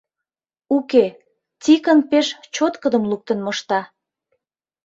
Уке, Тикын пеш чоткыдым луктын мошта.